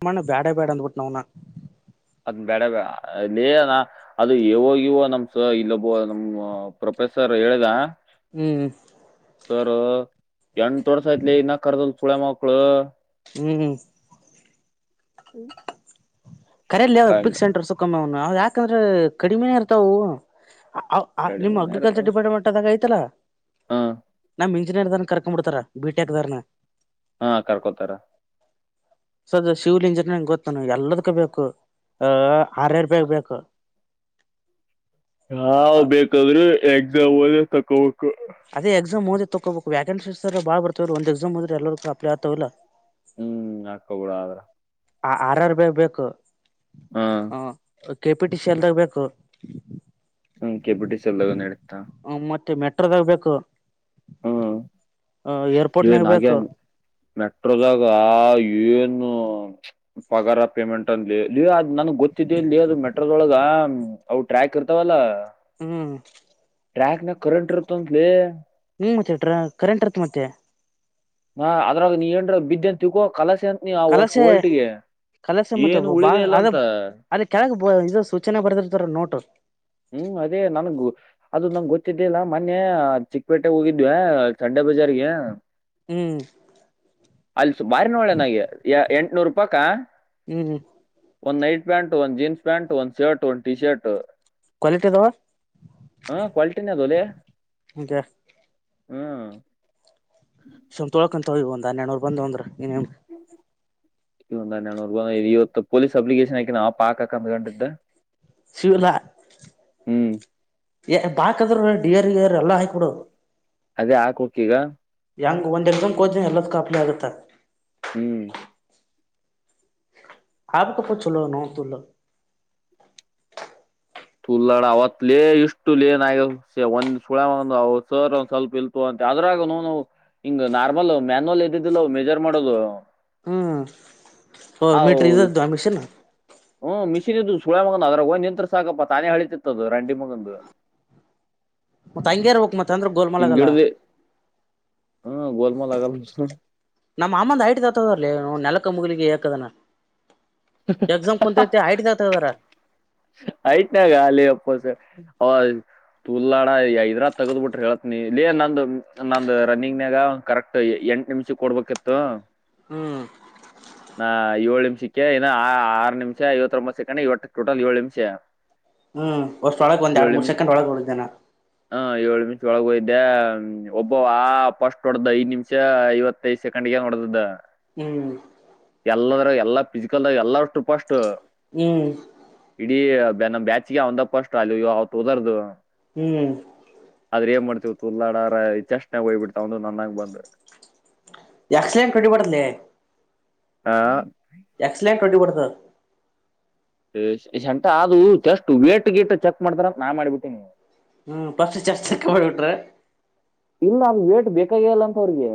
ನಮ್ಮಾನ ಬ್ಯಾಡ ಬ್ಯಾಡ ಅಂದುಬಿಟ್ಟನ ಅವನ ಅದ್ ಬೇಡ ಬೇ ಅಲ್ಲೇನಾ ಅದು ಯಾವೋಗವ ನಮ್ಸ ಇಲ್ಲೊಬ್ಬ ನಮ್ ಪ್ರೊಫೆಸರ್ ಹೇಳಿದಾ ಹ್ಮ್ ಸರ್ ಎಂಟು ವರ್ಷ ಆಯತ್ಲಿ ಇ ನಾ ಕರ್ದಲ್ ಸುಳೆ ಮಕ್ಕಳು ಹ್ಮ್ ಹ ಕರಲ್ಲಿ ಯಾವ ಪಿಕ್ ಸೆಂಟರ್ ಸುಕ್ಕಮ್ಮನು ಯಾಕಂದ್ರೆ ಕಡಿಮೆನೇ ಇರ್ತಾವವು ನಿಮ್ ಕಡಿಮೆನೇ ಇರ್ತಾವ ಅಗ್ರಿಕಲ್ಚರ್ ಡಿಪಾರ್ಟ್ಮೆಂಟ್ ಅದಾಗ ಆಐತಲಾ ಹಾ ನ ಇಂಜಿಯರ್ ದ ಕರ್ಕ್ಂಬ ಬಿತಾರ ಬಿಟೆಕ್ ದಾರನ ಹಾ ಕರ್ಕೊತಾರ ಸದ ಶಿವಲಿಂಜಂಗಗೆ ಗೊತ್ತಾನ ಎಲ್ಲದ ಕ ಬೇಕು ಆ ಹಾರ್ಯಾರ ಬೇ ಬು ಹಾವ ಬೇಕಾದ್ರೂ ಎಕ್ಸಾಮ್ ಹದ ತಕೋಬೇಕು ಅದೇ ಎಕ್ಸಾಮ್ಓದಿ ತೊಬೇಕ ವ್ಯಾಕನ್ಸಿರ ಬಾ ಬರ್ತವರು ಒಂದು ಎಸಾಮ್ದ್ರ ಎಲ್ಲರಿೂ ಅಪ್ಲೈ ಆಗ್ತವಿಲ್ಲ ಹ್ಮ್ ಆಕಬ ಬಿಡ ಆದ್ರ ಆ ಆರರ್ ಬೇ ಬೇಕು ಹ್ಮ್ ಹ ಕೆಪಿ ಟಿ ಸಿ ಎಲ್ದಾಗ ಬೇಕು ಹ ಕೆಬಟಿಸ ಎಲ್ಲ ನಡ್ತಾ ದಾಗಬೇಕು ಹ್ಮ ಏರ್ಪೋರ್ಟ್ನಾಗ ನೆ ಬೇಕು ಮೆಟ್ರೋದಾಗ ಆ ಏನು ಪಗಾರ ಪೇಮೆಂಟ್ ಅಂದಲಿ ನನ್ಗ್ ಗೊತ್ತಿದ್ದೆ ಇಲ್ಲಿ ಅದು ಮೆಟ್ರೋದೊಳಗ ಅವವು ಟ್ರ್ಯಾಕ್ ಇರ್ತಾವಲ್ಲ ಹ್ಮ್ ಟ್ರ್ಯಾಕ್ ನಾಗ ಕರೆಂಟ್ ಇರುತಂತಲಿ ಹ ಮತ್ತೆ ಕರೆಂಟ್ ಇರುತ್ತ ಮತ್ತೆ ಹಾ ಅದ್ರಾಗ ನೀ ಏನ್ರ ಬಿದ್ದೆನ್ ತಿಗೋ ಕಲಸ ನೀ ಅಷ್ಟು ಕಲಸೆ ಲ್ಟಗೆ ಕಲಸೆ ಮತ್ತೆ ಏನು ಬಾ ಉಳಿದಲ್ಲ ಅದ ಅಂತ ಅಲ್ಲಿ ಕೆಳಗ್ ಇದು ಸೂಚನೆ ಬರ್ದಿರ್ತರ ನೋಟ ಹ್ಮ್ ಅದೇ ನನ್ಗ ಅದು ನಂಗೆ ಗೊತ್ತಿದ್ದೇಲ್ಲ ಮೊನ್ನೆ ಚಿಕ್ಕಪೇಟೆ ಹೋಗಿದ್ವ ಚಂಡೆ ಪೂಜಾರಗೆ ಹ್ಮ್ ಅಲ್ಸು ಬಾರಿನ ಒಳನಾಗ ಎಂಟನೂರು ರೂಪಾಕ ಹ್ಮ್ ಒಂದ್ ನೈಟ್ ಪ್ಯಾಂಟ್ ಒಂದ್ ಜೀನ್ಸ್ ಪ್ಯಾಂಟ್ ಒಂದ್ ಶರ್ಟ್ ಒಂದ್ ಟಿ ಶರ್ಟ್ ಕ್ವಾಲಿಟಿ ಅದಾವ [inaudible] ಹಾ ಕ್ವಾಲಿಟಿಯಲ್ಲಿ ಹಗೆ ಹ್ಮ್ ಸುಮ್ ತೊಳ್ಕಂತೋಗ ಒಂದು ಹನ್ನೆರ್ನರ್ ಬಂದ್ಂದ್ರ ಇನ್ನೇನು ಇಂದನ ಇವತ್ತು ಪೊಲೀಸ್ ಅಪ್ಲಿಕೇಶನ್ ಹಾಕಿನ ಆ ಪಾಕಕ ಅಂದ್ ಗಂಟ ಇದ್ದ ಸಲ್ಲ [inaudible] ಬಾಕ್ದ್ರ ಡಿಯರ್ ರ್ ಎಲ್ಲ ಹಯಕಿ ಕೊಡದು ಅದೇ ಹಾಕ್ ಹಕ್ಕ ಈಗ ಯಂಗ ಒಂದ ಎರ್ಸಂಗ್ ಹೋದ ಎಲ್ಲದ ಕಾಪ್ಲಿ ಆಗುತ್ತ ಹ್ಮ್ ಆಪಕ್ಕಪ್ಪ ಚಲೋ ನೋವು ತ್ತುುಲ್ಲ ತುಲ್ಲಣ ಅವತ್ ಲೇ ಇಷ್ಟು ಲೇನ್ ಆಯ ಒಂದ ಸುಳ ಒ ಸರ್ ಒಂದ್ ಸ್ವಲ್ಪ ಇಲ್ತು ಅಂತ ಅ್ರಗ ಹಿಂಗ್ ನಾರ್ಮಲ್ ಮ್ಯಾನ್ಲ್ ಎದ್ದಿದ್ದಿಲ್ಲ ಮೆಜರ್ ಮಾಡೋದು [inaudible] ಹ ಮೀಟ್ರೀದ ಅಮಿಷೆ ನ ಹ್ಮ್ ಮಿಶಿನನ್ದ್ದು ಸುಳೆ ಮಗನ್ ಅದ್ರಾಗ ಹೋಗ್ ನಿಂತ್ ಸಾಕಪ್ಪ ತಾನೇ ಹಳತಿತ್ತದ ರಂಡಿ ಮಗಂದು [inaudible] ಮತ್ತತ್ ಹಂಗ್ಯರ್ ಹಕ್ ಮತ್ತೆ ಅಂದ್ರೆ ಹಿಂಗ ಗೋಲ್ಮಲಗಲ್ಲ [inaudible] ಹಿಡ್ದಿ ಹ್ಮ ಗೋಲ್ಮಾಲ್ ಆಗಲ್ ನಮ್ಮ ಅಮ್ಮಂದ ಐಟ ತತದಲಿ ನೆಲಪ ಮುಗಲಿಗೆ ಯಾಕದಾನ ಎಕ್ಸಾಮ್ ಕುಂತತಿ ಐಟ ಆತದಾರ ಆಯತ ನ ಗಾಲ ಅಪ್ಪೋಸ ಹ ತುಲ್ಡ ಐದ್ರ ತಗದ್ ಬಿಟ್ರಿ ಹೇಳತ್ ನೀ ಇಲ್ಲ ನಂದ ನಂದ ರನ್ನಿಂಗ್ನಾಗ ಕರೆಕ್ಟ್ ಎ ನಿಮಿಷ ಕೊಬೇಕಿತ್ತು ಹ್ಮ್ ನಾ ಏಳು ನಿಮಿಷ [unintelligible] ನಿಮಿಷಕ್ಕೆ ಇ ಆರು ನಿಮಿಷ ಐತ್ತೊಂಬತ್ತ್ತು ಸಕಂಡ್ ಇವತ್ತು ಟೋಟಲ್ ಏಳು ನಿಮಿಷ ಹ್ಮ್ ಒಷ್ಟ ಒಳಗೆ ಒಂದ್ ಎರಡ್ ಮೂರ್ ಸೆಕೆಂಡ್ ಒಳಗಗೆ ಹೊಳ್ದೇನಾ ಹ ಏಳು ನಿಮಿಷ ಒಳಗಯ್ದೆ ಒಬ್ಬ ಆ ಪಫಸ್ಟ್ ಹೊಡೆದ ಐ ನಿಮಷ ಐವತ್ತೈದು ಸೆಕೆಂಡ್ಗೆ ಮಾಡ ಹ್ಮ್ [inaudible] ಎಲ್ಲದ ಎಲ್ಲಾ ಫಿಸಿಕಲ್ ಎಲ್ಲ ಟ್ರೂಪ್ ಅಷ್ಟು ಹ್ಮ್ ಇಡೀ ನಮ್ಮ್ ಬ್ಯಾಚ್ಗೆ ಅವಂದಪ್ಪ ಅಷ್ಟು ಅಲ್್ಯೋ ಅವತ್ತು ಹೋರ್ದು ಹ್ಮ್ ರೆರ ಮಾಡ್ತತಿವಿ ತುಳ್ಳಾಡಾರ ಚಸ್ಣೆ ಹೋಗ್ಬಿಡ್ತ ಒ ನನ್ನಾಗ ಬಂದ ಯಕ್ಷಲನ್ ಕೆಟ್ಟಿಬಡಲ್ಲೇ ಹಾ ಎಕ್ಸಲೆಂಟ್ ಹೊಡಿಬ್ಯಾಡದು ಯೇ ಸಂಟ ಅದು ಜಸ್ಟ್ ವೇಟ್ ಗೀಟ್ ಚೆಕ್ ಮಾಡ್ತಾರ ನಾನ್ ಮಾಡಿಬಿಟ್ಟಿ ನೀವು ಹ್ಮ ಪಫಸ್ ಚಾಸ್ಕ್ಕ ಮಾಡಬಿಟ್ರೆ ಇಲ್ಲ ಅ ವೇಟ್ ಬೇಕಾಗಿಲ್ಲ ಅಂತ ಅವ್ರಿಗೆ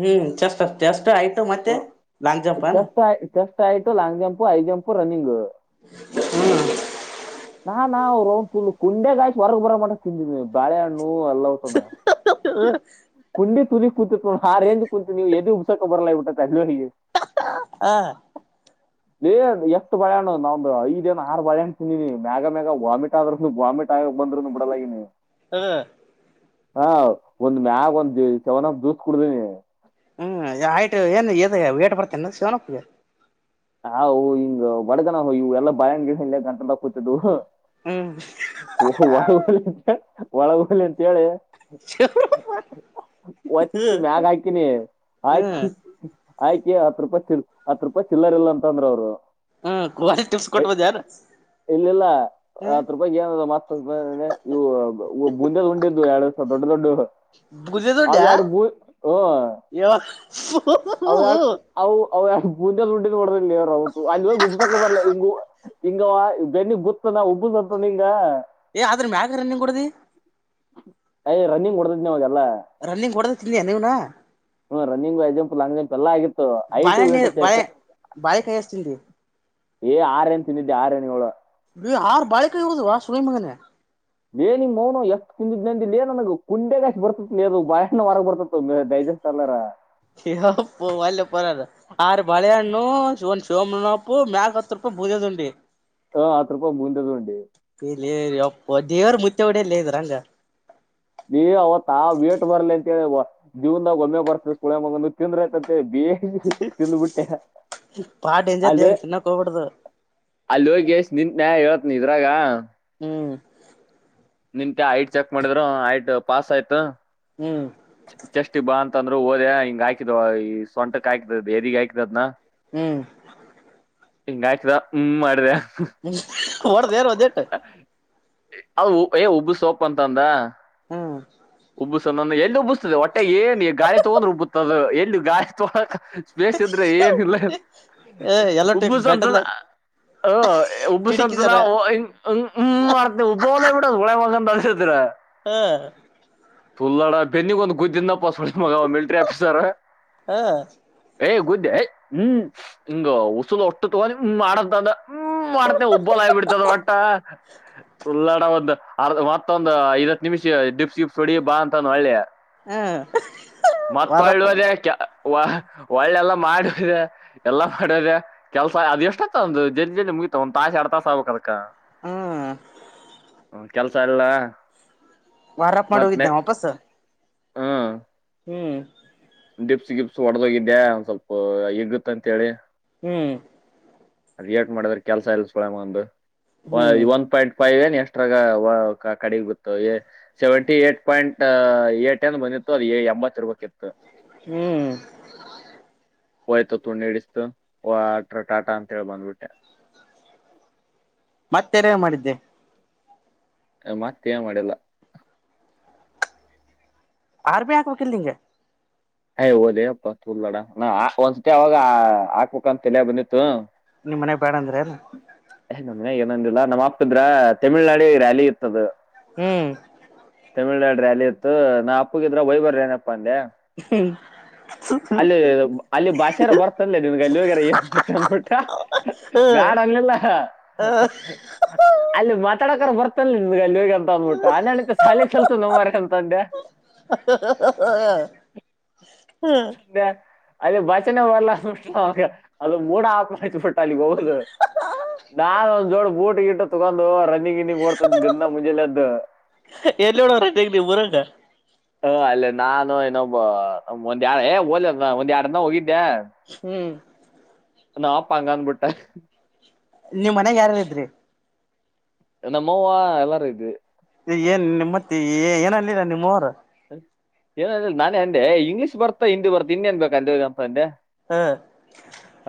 ಹ್ಮ್ ಚಷ್ಟ ಎಷ್ಟ ಆಯ್ತು ಮತ್ತೆ ಲಾಂಗ್ ಜಂಪ್ ಅನಾ ಜಸ್ಟ್ ಆಯ್ು long jump I jump running ಹ್ಮ ನಾ ನಾ ಕುಂಡೆ ಗಾಯ್ ಹೊರಗ್ ಬರ ಮಾಡ ತಿಂದಿದ್ವಿ ಬಳೆಹಣ್ಣು ಹ ಅಲ್ಲತಾನ ಕುಂಡ ತುಲಿ ಕೂತತ್ ನು ಹ ರೇಜ್ ಕುೂತ್ ನೀವು ಎದದು ಉಬ್ಸಕ ಬಲಾ ಬಿಟ್ಟ ಅಲ್ಲಿ ಆ ಏ ಎಷ್ಟು ಬಳೆಣ್ಣ ನಮ್ದ ಐದ್ ಏ ಆರು ಬಳೆಾಣ್ತಿಂದಿನಿ ಮಗ ಮ್ಯಾಗ ವಾಮಿಟ್ ಆದ್ರ ವಾಮಿಟ್ ನ ಬಂದರೂ ಬಡಲಾಗಿನಿ ಹ್ಮ್ ಹಾ ಒಂದ್ ಮ್ಯಾಗ ಒಂದ ಚವನ ದೂಸ್ ಕುಡ್ದನಿ ಹ್ಮ್ ಆಯ್ತು ಏನ್ ಇ ವಏಟ್ ಬರ್ತೇ ಶಿವನಪ್ಪಗೆ ಹಾವು ಹಿಂಗ್ ಬಡಗನ ಇವು ಎಲ್ಲ ಬಾಳ್ಗಿ ಹ ಗಂಟಲ್ಲ ಕೂತಿದ್ದವು ಹ್ಮ್ ಓ ಒಳ ಬ ಒಳ ಬಲಂತ ಕೇಳಿ ಹ್ಮ್ ಒತ್ತ ಮ್ಯಾಗ ಹಾಕಿನಿ ಹ್ಮ್ ಹಾಕಿ ಆಯ್ಕಿ ಹತ್ ರೂಪಾಯಿ ಚಲ್ ಹತ್ ರೂಪಾಯಿ ಚಿಲ್ಲರಿ ಇಲ್ಲ ಅಂತ ಅಂದ್ರ ಅವ್ರು ಹ್ಮ ಕ್ವಾಲ ಟಿಪ್ಸ್ ಐ ಕೊಟ್ಬೋದ ಯಾರ ಇಲ್ಲಿಲ್ಲ ಆತ್ ರೂಪಾಯ ಏನ ಮಸ್ತ್ ಇವು ಮುಂದೆಲ್ ಉಂಡಿದ್ದು ಎರಡ್ಡ್ ಸಾವ್ದ ದೊಡ್ಡ ದೊಡ್ಡು ಬುದ ದುಡ್ಡ್ಯಾ ಅವ್ಯಡು ಹ ಅವ ಅವು ಅವ ಪೂಜ ದುಡ್ಡ ಕೊಡ್ರಿಲ್ಲ ಅವ ಅಲ್ಲಿ ಗುಬ್ಸ ಬರಲಂಗ ಹಂಗ ಬೆನ್ನಿ ಬುತ್ತನ ಉಬ್ಬಸಂತಂಗ ಏ ಆದ್ರ ಮಾಗ ರನ್ನಿಂಗ್ ಕೊಡದಿ ಅಯ್ ರನ್ನಿಂಗ್ ಕೊಡತದ್ ನೀವಾಗಲ್ಲ ರನ್ನಿಂಗ್ ಕೊಡದ ತಿಂದಯಾ ನೀವ್ನ ಹ್ಮ ರನ್ನಿಂಗ್ ವೈ ಜಂಪ್ ಲಾಂಗ್ ಜಂಪ್ ಎಲ್ಲಾ ಆಗಿತ್ತು ಐಟ ವಟು ಚೇಚ ಬಾಯ ಕೈ ಅತಿ ನೀ ಏ ಆರ ಏ್ಣ ತಿಂದಿದ್ದೆ ಆರನಳ ಇ್ ಆರು ಬಾಳಿಕ ಇರುದುುವ ಸುಗೀ ಮಗನ ಏನಿಮ ಮೌನು ಎಷ್ಟ ತಿಂದಿದ್ಂದಿಲ್ಲ ಏನ್ ನನಗ ಕುಂಡೆಗಷ್ಟ ಬರ್ತತ್ದು ಬಾಷ್ಣ ವರಗ್ ಬರ್ತತ್ೈ ತರ್ಲಾರಾ ಅಪ್ಪು ಒಲ್ಲೆ ಪರದು ಆ್ರ ಬಾಳೆಹಣ್ಣು ಶ ಶಿವಮ್ಪ್ಪು ಮ್ಯಾಕ್ ಹತ್ರ ಪೂಜೆದುಂಡಿ ಹಾ ಹತ್ರ ರೂಪಾಯ ಮುಂದದುೊಂಡಿ ಒಪ್ಪ ದೇವ್ರ ಮುುತ್ತೆ ಹೊಡಲ್ಲಿದ್ರಂಗ ನೀ ಅವತ್ತಾ ವೇಟ್ ಬರ್ಲಿ ಅಂತೇಳಿ ಜವ್ನ ಒಮ್ಮೆ ಬರ್ತ ಕುಳೆ ಮಗ ತಿಂದ್ರಯತ ಅಂತ ಹೇಳಿ ಚಂದುಬುಟ್ಟೆ ಬಾಳ ಡೇಂಜರ್ ಅಲ್ಲ ದೇಂಗ ತಿನ್ನಕ್ ಹೋಗ್ಬಾರ್ದು ಅಲ್ಲಿ ಹೋಗಿ ಎಷ್ಟ ನಿಂತನೆ ಹೇಳ್ತ್ನ ಇದ್ರಾಗ ಹ್ಮ ನಿಂತೆ ಐಟ್ ಚೆಕ್ ಮಾಡಿದ್ರು ಐಟ್ ಪಾಸ್ ಆಯ್ತು ಹ್ಮ್ ಚೆಸ್ಟ್ ಬಾ ಅಂತ ಅಂತಂದ್ ಓದ್ಯ ಹಿಂಗ ಹ ಆಕತ್ ಈ ಸೊಂಟಕ್ ಆಯಕ್ತದ ಎದಗ ಆ್ತದನ ಹ್ಮ್ ಹಿಂಗ ಆಯ್ತದ ಹ್ಮ್ ಮಾಡ್ದ ಹ್ಮ ಹೊಡ್ದ ಯಾರ ಅದೇಟ್ಟು ಅದು ಏ ಉಬ್ಬು ಸೋಪ್ ಅಂತ ಅಂದ ಹ್ಮ್ ಉಬ್ಬು ಸೊ ನನ್ನ ಎಲ್ಲಿೂಬಸ್ತದೆ ಹೊಟ್ಟೆ ಏನ್ ಗಾಿ ತೊಗೊಂಡ್ ಉಬ್ಬದ ಎಲ್ಲಿ ಗಾಯಿ ತಗ ಸ್ಪೇಸ್ ಇದ್ರೆ ಏನಿಲ್ಲ ಏ ಎಲ್ಲಟ ಉಬ್ಬುಸ ಅಂತ ಗಟಲ್ಲ ಹ ಉಬ್ಬು ಸ್ವಂತದಾ ಟಿಡಿಕಿದಾರ ಮರ್ ಉಬ್ಬುಬಲ ನಳಸಿದರ ಹ್ಮ ತುಲ್ಲಡ ಬೆನ್ನಿ ಒಂದು ಗುದ್ದಿನಪ್ಪಸ್ ಮಗ ಮಿಲ್ಟ್ರರಿ ಆಫೀಸರ್ ಹ ಏ ಗು್ದ ಹ್ಮ್ ಹಿಂಗ ಉಸೂಲ್ ಒಟ್ಟು ತಗೊಂಡಿ ಹ್ಮ ಮಾಡದ್ದಂದ ಹ್ಮ ಮಾಡ್ತೇನೆ ಉಬ್ಬಳ ಆಗಿಬ ಬಿಡ್ತದ ಒಟ್ಟ ಚುಲ್ಲಾಡವದ್ದ ಅರ್ ಮತ್ತೊಂದು ಐವತ್ತು ನಿಮಿಷ ಡಿಪ್ಸ್ ಶಿಪ್ಸ್ ಹೊಡಿ ಬಾ ಅಂತಂದ ಒಳ್ಳೆ ಹ ವಾರಪ್ಪ ಮತ್ುವದ ವ ಒಳ್ಳೆಲ್ಲ ಮಾಡದೆ ಎಲ್ಲ ಮಾಡೋದೆ ಕೆಲ್ಸ ಅದು ಎಷ್ಟ ಆತ ಒಂದು ಜನ ಜನ್ ಮುಗಿತಾ ಒಂದ ತಾಸಷ ಎಡ್ ತಾಸ ಆಬೇಕ ಅದಕ ಹ್ಮ ಕೆಲ್ಸ ಎಲ್ಲ ವಾರಪ್ ಮಾಡಿ ಮತ್ ಹೋಗಿದ್ದ ವಾಪಸ್ ಹ್ಮ್ ಹ್ಮ್ ಡಿಪ್ಸ್ ಗಿಪ್ಸ್ ಹೊಡದೋಗಿದ್ದ್ಯಾ ಒಂದ ಸ್ವಲ್ಪ ಎಗುತ್ತ ಅಂತೇಳಿ ಹ್ಮ್ ರಿಯಾಕ್ಟ್ ಮಾಡಿದ್ರೆ ಕೆಲ್ಸ ಇಲ್ಸ್ಕೊಡಮ್ಮ ಒಂದು ಹ್ಮ್ ಒನ್ ಪಾಯಿಂಟ್ ಫೈವ್ ಏನ್ ಎಕ್್ರಾಗ ಕಡೆ ಬಿತ್ತು ಸೆವೆಂಟಿ ಏಟ್ ಪಾಯಿಂಟ್ ಏ ಏನ್ ಬಂದ ತ್ತು ಅದು ಅಂಬಾ ತಿರುರುವಕಿತ್ತು ಹ್ಮ್ ಓಯ್ತು ತು ಇಡಿಸತು ಓ ಅಟ್ರ ಟಾಟಾ ಅಂತೇಳಿ ಬಂದ್ಬಿಟ್ಟೆ ಮತ್ತೆರ ಮಾಡಿದ್ದೆ ಮತ್ತೆ ಮಾಡಲ್ಲ ಆ ಬ್ಯಾಂಕಬೇಕಕಿಲಿಂಗೆ ಅಯ ಹಓದ ಅಪ್ಪ ತಾಡ ನ ಒಂದ್ಸತಿ ಅವಾಗ ಹಾಕ್ಬೇಕಕ್ಂತಲ ಬಂದಿತ್ತು ನಿಮ್ಮ ಮನೆ ಬೇಡ ಅಂದ್ರೆ ಇ ಏನಂದಿಲ್ಲ ನಮ್ಮ್ಪ್ತಿದ್ರ ತಮಿಳ್ನಾಡಿ ರ್ಯಾಲಿ ಇರ್ತದು ಹ್ಮ್ ತಮಿಳ್ನಾಡು ರ್ಯಾಲಿ ಇತ್ತು ನಾ ಅಪ್ಪಗಿದ್ರೆ ವೈ್ಬರ್್ರ ಏನಪ್ಪ ಅಂದೆ ಹ ಅಲ್ಲಿ ಅಲ್ಲಿ ಬಾಷಾರ ಬರ್ತನ್ಲ್ಲ ನಿನ್ಗೆ ಅಲ್ಲಿಗಾರ ಏನ್ ಮಾಡ್ತ ಅಂದಬಿಟ್ಟ ಬ್ಯಾಡ ಹ ಅಲ್ಲಿ ಮಾತಾಡ ಬರ್ತ ವಗ ಅಂತ ಅಂದ್ಬಿಟ್ಟ ಆ ನಣ ಶಾಲ ಚಲ್ತು ನಮ ಮಾರ್ಕಂತ ಅಂದ್ಯಾ ಹ ಹ ಹ ೆ ಅೇ ಭಜನೆ ಬಲ್ಲ ಅದು ಮೂಡ ಹಾಕ್ತ್ ಬಿಟ್ಟ ಅಲ್ಲಿ ಹದು ನಾನ್ ಒಂದ್ ಜೋಳ ಬೂಟ್ ಗಿಟ್ಟು ತಗೊಂಡು ರನ್ನಿಂಗ್ ಇನ್ನಿಂಗ್ ಓಡ್ತ ಂದ ಮುಜೆಲ್ಲ್ದ ಎಲ್ಲಿ ನೋಡವ್ರಗ ನೀ ಊರಾಗ ಹ ಅಲ್ಲೇ ನಾನು ಇನೊಬ್ಬ ಒಂದ್ ಎರಡ್ ಏ ಹಓಲ ಒಂದ್ ಎರಡ್ನ್ನ ಹೋಗಿದ್ದೆ ಹ್ಮ್ ನಾಪಾಂಗನ್ ಬಿುಟ್ಟ ನೀವ್ ಮನ್ಯಾಗ ಯಾರಾರ ಇದ್ರಿ ನಮ್ಮೋವಾ ಎಲ್ಲಾರೂ ಇದು ಏನ್ ನಿಮ್ಮತ್ತೆ ಏನಲ್ಲರ ನಿಮ್ಮ್ವರು ಏನ ಅಂದ್ರ ನಾನನ್ ಅಂದೆ ಇಂಗ್ಲಿಷ್ ಬರ್ತ ಹಿಂದಿ ಬರ್ತ ಇನ್ನೇನ್ ಬೇಕ ಅಂದ ಅಂತ ಅಂದೆ ಹಾ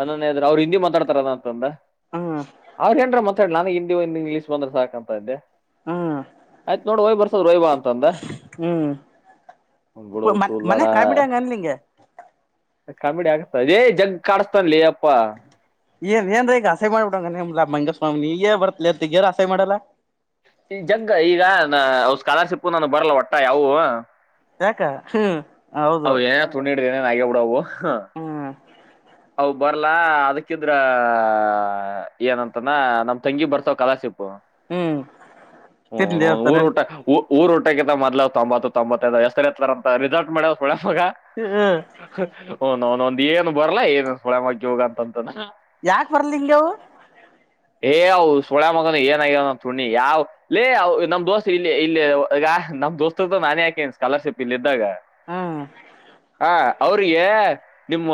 ಅದನ್್ರ ಅವ್ರ ಹಿಂದಿ ಮಾತಾಡ್ತಾರದ ಅಂತಂದ ಹ್ಮ್ ಅವ್ರ ಏನ್ರ ಮ ನನ ಹಿಂದಿ ಒಂದು ಇಂಗ್ಲೀಷ್ ಬಂದ್ರೆ ಸಾಕಕ್ಂತ ಇದ್ದೆ ಹ್ಮ್ ಆಯ್ತ ನೋಡಿ ವಯ್ ಬರ್ಸೋದ ರ ವಯಬ ಅ ಹ್ಮ್ ಅವ್ನ್ ಬಿಡು ಇ ಮ ಮನೆ ತೂಲಾಡ ಕಾಮಿಡ ಅಂಗನ್ಲ್ಲಂಗ ಕಾಮಿಡಿ ಆಗ್ತ ಅದೇ ಜಗ್ ಕಾಡಿಸತನ್ಲಿ ಅಪ್ಪಾ ಏನ್ ಏನ್ರೀ ಈಗ ಆಸೆ ಮಾಡ್ಬಿಡಂಗ ನಿಮ್ಲ ಮಂಗಸ್ವಾಮಿನಗ ಬರ್ತತಿ ಅತ್ತಗಾರ ಆಸೆ ಮಾಡಲ್ಲ ಈ ಜಂಗ ಈಗ ಸ್ಕಾಲರ್ಶಿಪ್ ನಾನು ಬರಲ್ಲ ಒಟ್ಟ ಯಾವವು ಯಾಕ ಹ್ಮ್ ಅ ಹೌದು ಏನ ತೊಂಡ ಇಡಿದ ನನ್ ಆಗ್ಯಬಡವು ಹ ಹ್ಮ್ ಅ ಬರ್ಲ ಅದಕ್ಕಿದ್ರ ಏನಂತಾನ ನಮ್ ತಂಗಿ ಬರ್ತಾವ ಕಲಾಶಿಪ್ ಹ ಹ್ಮ್ ನ ತಿನ್ಲಿ ಊರ ಅಂತಾನೆ ಊಟ ಊರ ೋಟ ಮದಲೇ್ ತೊಂಬತ್ತು ತೊಂಬತ್ತೈದು ಎಷ್ಟರ್ತ್ತಾರ ಅಂತ ರಿಸಲ್ಟ್ ಮಾಡ್ ಹ್ಮ್ ಹ ನನೊಂದ ಏನು ಬರ್ಲಾ ಏನು ಸುಳೆ ಮಗ ಹೋಗ ಅಂತಂತ ಯಾಕ ಬರ್ಲಿ ಹಿಂಗವು ಏ ಅವು ಸುಳ್ಯ ಮಗನು ಏನಗಾವ ನಮ್ ಸು್ಣಿ ಯಾವ್ಲ್ಲೇ ನಮ್ ದೋಸ್ತ್ ಇಲ್ಲಿ ಇಲ್ಲಿ ನಮ್ೋಸ್ತದ ನಾನ ಹಾಕಿ ಸ್ಾಲರ್ಿ ಇ ಇದ್ದಾಗ ಹ್ಮ್ ಹ ಅವ್ರಿಗೆ ನಿಮ್ಮ್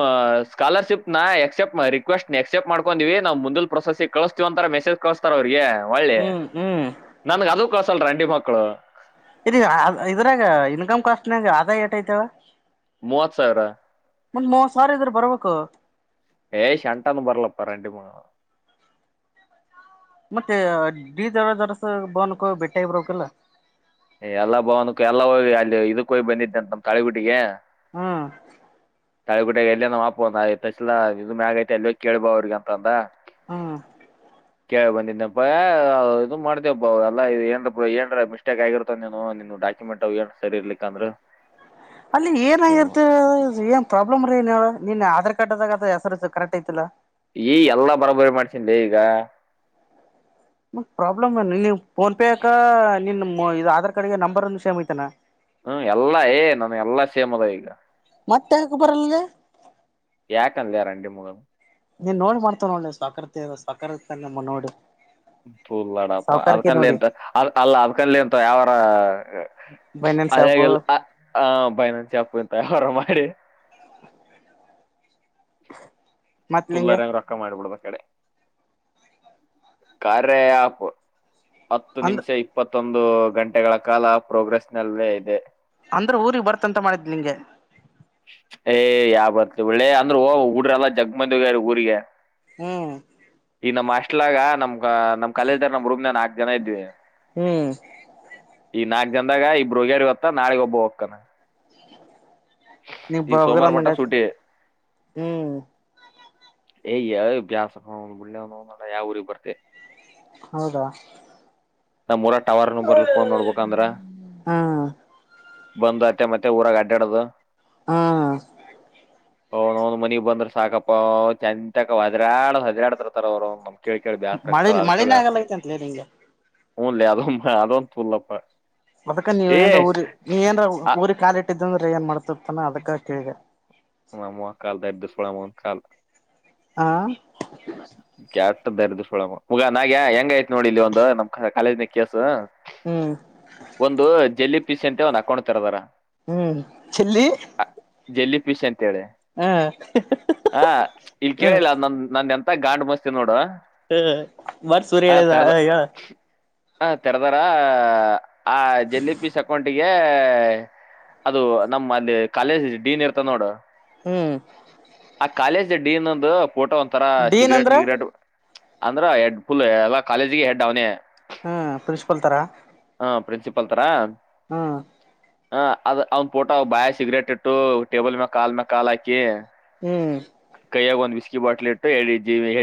ಸ್ಕಾಲರ್ಶಿಪ್ ನ ಎಕ್ಸೆಪ್ಟ ರಿಕ್ವೆಸ್ಟ್ ಎಕ್ಸೆಪ್ಟ್ ಮಾಡ್ಕೊಂಡಿವವಿ ನಾವು ಮುಂದ ಪ್ರೊಸೆಸ್ಿಗೆ ಕಳಸ್ತೀವಂತ ಮಸೇ್ ಕಳಸ್ತಾರ ಅವ್ರಿಗೆ ಒಳ್ಳೆ ಹ್ಮ್ ಹ್ಮ್ ನನ್ಗ ಅದು ಕಳ್ಸಲ್ರ ಹೆಂಡಿ ಮಕ್ಕಳು ಇ ಇದ್ರಾಗ ಇನ್ಕಮ್ ಕಾಸ್ಟ್ ನಂಗ ಆದ ಏಟ್ಐತವ ಮೂವತ್ ಸಾವಿರ ಮ್ ಮ ಸಾರ್ ಇದ್ರ ಬರ್ಬೇಕು ಏಯ್ ಶಂಟು ಬರಲಪ್ಪ ರ ಮ ಮತ್ತೆ ಡ ಜರ ಜರಸ ಬನ್ಕ ಬೆಟ್ಟ ಇರಕಲ್ಲ ಎಲ್ಲಾ ಭವನಕ್ಕ ಎಲ್ಲಾ ಹೋಗಿ ಅಲ್ಲಿ ಇದಕ್ಕ ಹೋಗಿ ಬಂದಿದ್ದೆ ಅಂತ ನಮ ತಳಿಗುಟ್ಟಿಗೆ ಹ್ಮ ತಳಿಗುಡ ಎಲ್ಲ ನಮ್ಮಪ ಅಂದ ಆಐತಸಲಾ ಇದ ಮ್ಯ ಆಗೈಐತೆ ಅಲ್ಲ ಕೇಳ್ಬೋ ಅವ್ರಿ ಅಂದ ಹ್ಮ್ ಕೇಳ ಬಂದಿದನಪ್ಪಾ ಇದು ಮಾಡ್ತವಪ್ಪಾ ಅವ ಎಲ್ಲಏ ಏನ್ ಮಿಸ್ಟೇಕ್ ಆಗಿರತ್ತ ನಿನ್ ಡಾಕ್ಯುಮೆಂಟ್ ಅವ ಏನ್ ಸರಿ ಇರ್ಲಿಕ್ಕ ಅಂದ್ರೆ ಅಲ್ಲಿ ಏನಗರ್ತಿ ಏನ್ ಪ್ರಾಬ್ಲಮ್ ರೀ ನಿನ್ ಆಧಾರ್ ಕಾರ್ಡ್ದಾಗ ಹೆಸರು ಕರೆಕ್ಟ್ ಯ್ತಲ್ಲ ಈ ಎಲ್ಲಾ ಬರಾಬರಿ ಮಾಡ್ಸನ್ೆ ಈಗ ಪ್ರಾಬ್ಲಮ್ ನೀ ಫೋನ್ ಪೇ ಅಕ ನಿನ್ ಇದ ಆಧಾರ್ ಕಾರ್ಡ್ಗೆ ನಂಬರ್ ಸೇಮ್ ಐತಾನ ಹ್ಮ ಎಲ್ಲಾ ಏ ನನ್ ಎಲ್ಲಾ ಸೇಮದ ಈಗ ಮತ್ತೆ ಯಾಕ ಬರಲ್ಗೆ ಯಏಕನ್ಲರಿ ಮುಗಲು ನೀನ್ ನೋಡಿ ಮಾಡ್ತವ ನೋಡ್ ಸಾಕರ್ತಿ ಸಾಕಕಾರಮ್ಮ ನೋಡಿ ಫುಲ್ ಲಡಪ ಸಾವಕಾರಕ್ಕೆ ಅದಕನ್ ನೋಡಿ ಎಂತ ಅದ್ ಅಲ್ಲ ಅದ್ಕನ್ ಎಂತ ಯಾವಾರ ಬನಿಯನ್ ಶಾಪು ಅದೇಲ್ಲ ಹ ಬೈ ನ ಚಪ್ ತಾರ ಅ ಮಾಡ ರ ಮತ್ ನಿಂಗೆ ತುಳ್ಳಾರಂಗ ರೊಕ್ಕ ಮಾಡಿಬಳದ ಕಡೆ ಕಾರರೆ ಆಪ್ ಹತ್ತು ಅಂದ್ ನಿಮಿಷ ಇಪ್ಪತ್ತು ಮತ್ತೊಂದು ಗಂಟೆಗಳ ಕಾಲ ಪ್ರೋಗ್ರೆಸ್ ನಲ್ಲೇ ಇದೆ ಅಂದ್ರೆ ಊಗ್ ಬರ್ತಂತ ಮಾಡಿದ್ ನಿಂಗೆ ಏ ಯಾವ ಬರ್ ಒಳ್ಳೆ ಅಂದ್ರ ಓ ುಡ್ರಲ್ಲ ಜಗ್ಮಂದಗ ಊರಿಗೆ ಹ್ಮ್ ಇಟ್ಲಾಗ ನಮ್ ನಮ್ ಕಲಲ್್ದಾರ ನಮ್ ರೂಮ ನಾಕಕ್ ಜನ ಇದ್ವಿ ಹ್ಮ್ ಗಂದಾಗ ಇಬ್ಬರು ಹಗ್ಯರ್ ಗತ್ತ ನಾಳಗ್ ಒಬ್ಬ ಹೋಗ್ತಾನ ನೀವ್ ಈ ಬಗಲ್ ಸೋಮವಾರ ಮಟ್ಟ ಅಂದಂಗ ಆಯ್ತು ಸೂಟ ಹ್ಮ್ ಯ್ಯ ಬ್ಯಾಸಕ್ ಒಂದ್ ಬಳ್ಳೆ ಒ ಯಾವ ಊರಿಗೆ ಬರ್ತೆ ಹೌದಾ ನಮ್ಮ್ ಊರ ಟವರ್ನು ಬರ್ಲ್ಪ ನೋಡ್ಬೇಕ ಅಂದ್ರ ಹ್ಮ್ ಬಂದ್ ಅತ್ತೆ ಮತ್ತೆ ಊರಾಗ ಅಡ್ಡಾಡದು ಹಾ ಹ ಒಂದ್ ಮನಿಗ್ ಬಂದ್ರ ಸಾಕಪ್ಪ ಚಂದಂತಕ ಹದ್ರಾಳ ಹದ್ರಾಡ್ತರ್ತಾರ ಅವ್ರು ಕಳ ಕಡೆ ಮಳೆ ಬಸರಕ್ತ ಅದಕ್ಕೆೇ ಮಳೆನೇ ಬಸ ಆಗಲ್ಲೈತೆ ಅಂತಲೇ ನಿಂಗೆ ಹೂಲ್ಲ ಅ ಅದೊ ತೂಳ್ಳಲ್ಲಪ್ಪ ಅದಕ ನೀವ ಏನ್ರ ಊರಿ ನೀವ ಏನ್ ಆ ಊರಿ ಕಾಲ ಇಟ್ಟಿದ್ದಂದ್ರೆ ಏನ್ ಮಾಡ್ತ ತಾನ ಅದಕ್ಕಾ ಕೇಳಗೆ ಹಮ್ಮ ಕಲ್ ದರ್ಿದ ಸುಡಾಮಂದು ಕಾ ಹಾ ಕ್ಯಾತದ್ದಾರು ಸುಳ ಮುಗ ನಾಗ ಹೆಂಗಾಯತ್ ನೋಡಿ ಇಲ್ಲಿ ಒಂದು ನಮ್ ಕಾಲೇಜ್ ಕೇಸು ಹ್ಮ್ ಒಂದು ಜಲ್ಲಿ ಪಿಸಿ ಅಂತ ಒಂದ್ ಹಾಕೊಂಡತರದಾರ ಹ್ಮ್ ಚಲ್ಲಿ ಜೆಲ್ಲಿ ಫಿಶ್ ಅಂತೇಳಿ ಹ ಈಗ ಹ್ಮ್ ಕೇಳಿಲ್ಲ ನ ನ ಮತ್ತ ಗಂಡ್ ಮಸ್ತಿ ನೋಡು ಹ ಮರ್ ಸೂರು ಹೇಳದ ಅಯಾ ಹ ತೆರೆದಾರ ಆ ಜೆಲಿ ಪಿಸ್ ಅಕೌಂಟಿಗೆ ಅದು ನಮ್ಮ ಅಲ್ಲಿ ಕಾಲೇಜ್ ಡೀನ್ ಇರ್ತ ನೋಡು ಹ್ಮ್ ಆ ಕಾಲೇಜ್ ಡಿನ್ ಒಂದು ಫೋಟೋ ಒಂತರ ಡೀನ್ ಸಿಗರೇಟ್ ಅಂದ್ರ ಗಿಗ್ರೇಟ್ ಅಂದ್ರ ಹೆಡ್ ಫುಲ್ ಎಲ್ಲ ಕಾಲೇಜಗೆ ಹೆಡ್ ಅವನ ಹ್ಮ್ ಪ್ರಿನ್ಸಿಪಾಲ್ ತರಾ ಹ ಪ್ರಿನ್ಸಿಪಾಲ್ ತರಾ ಹ್ಮ ಹ ಅದ್ ಅವ್ನ್ ಪೋಟ ಬಾಯ ಸಿಗರೇಟ್ ಇಟ್ಟು ಟೇಬಲ್ ಮೇ ಕಾಲ್ ಮೇ ಕಾಾಲ ಹಾಕಿ ಹ್ಮ್ ಕೈಯಾಗಿ ಒಂದು ವ್ಿ ಬಾಟಲ್ ಇಟ್ಟು ಹೇಳಿ ಜೀವಿ ಹೇಳಿ